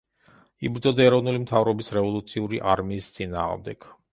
იბრძოდა ეროვნული მთავრობის რევოლუციური არმიის წინააღმდეგ.